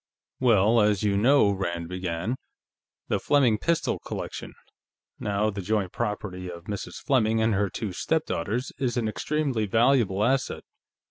"Well, as you know," Rand began, "the Fleming pistol collection, now the joint property of Mrs. Fleming and her two stepdaughters, is an extremely valuable asset.